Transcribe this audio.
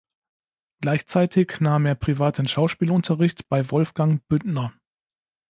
Gleichzeitig nahm er privaten Schauspielunterricht bei Wolfgang Büttner.